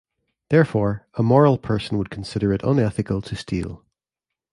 Therefore, a moral person would consider it unethical to steal.